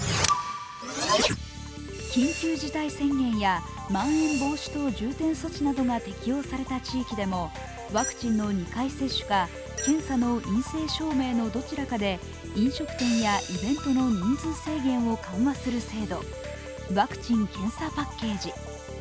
緊急事態宣言やまん延防止等重点措置が適用された地域でもワクチンの２回接種か、検査の陰性証明のどちらかで飲食店やイベントの人数制限を緩和する制度、ワクチン・検査パッケージ。